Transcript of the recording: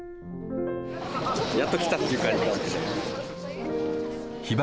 やっと来たっていう感じなんですよ。